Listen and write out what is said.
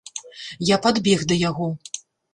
Я падбег да яго.